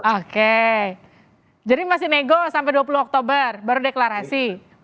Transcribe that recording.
oke jadi masih nego sampai dua puluh oktober baru deklarasi